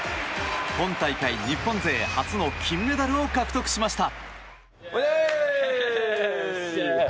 今大会、日本勢初の金メダルを獲得しました。